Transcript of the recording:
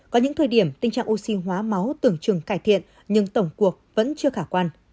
có những thời điểm tình trạng oxy hóa máu tưởng chừng cải thiện nhưng tổng cuộc vẫn chưa khả quan